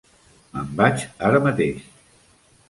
Me'n vaig ara mateix.